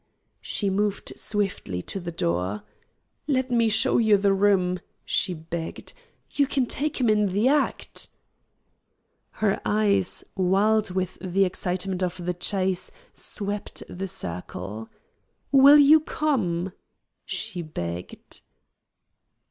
She moved swiftly to the door. "Let me show you the room," she begged; "you can take him in the act." Her eyes, wild with the excitement of the chase, swept the circle. "Will you come?" she begged.